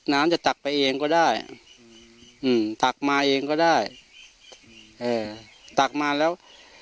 น้ำจะตักไปเองก็ได้อืมตักมาเองก็ได้เอ่อตักมาแล้ว